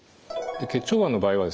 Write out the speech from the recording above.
結腸がんの場合はですね